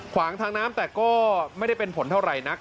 ขวางทางน้ำแต่ก็ไม่ได้เป็นผลเท่าไหร่นัก